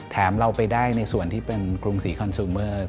เราไปได้ในส่วนที่เป็นกรุงศรีคอนซูเมอร์